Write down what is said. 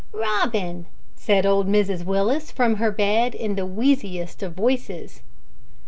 "Robin," said old Mrs Willis from her bed, in the wheeziest of voices.